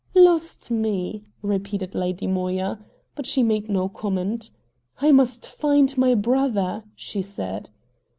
"Lost me!" repeated Lady Moya. But she made no comment. "I must find my brother," she said.